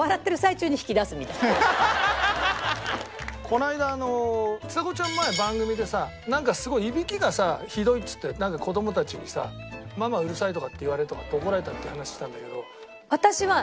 この間ちさ子ちゃん前番組でさなんかすごいイビキがさひどいっつって子どもたちにさ「ママうるさい」とかって言われるとか怒られたっていう話してたんだけど。